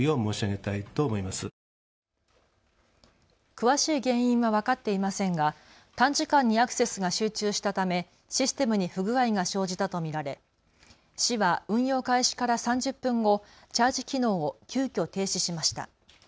詳しい原因は分かっていませんが短時間にアクセスが集中したためシステムに不具合が生じたと見られ市は運用開始から３０分後、チャージ機能を急きょ停止しました。